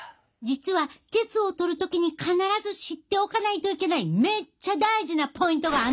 実は鉄をとる時に必ず知っておかないといけないめっちゃ大事なポイントがあんねん！